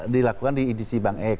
dilakukan di edisi bank x